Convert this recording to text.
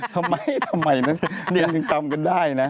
ทำไมทำไมนั้นทีมจงตรำก็ได้นะ